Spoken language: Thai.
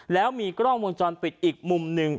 แล้วมีกล้องวงจรปิดอีกมุมหนึ่ง